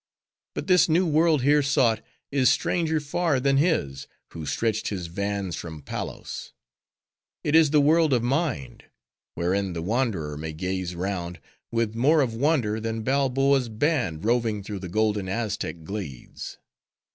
But this new world here sought, is stranger far than his, who stretched his vans from Palos. It is the world of mind; wherein the wanderer may gaze round, with more of wonder than Balboa's band roving through the golden Aztec glades.